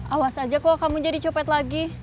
awas aja kok kamu jadi copet lagi